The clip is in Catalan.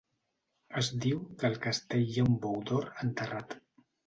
Es diu que al castell hi ha un bou d'or enterrat.